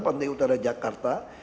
pantai utara jakarta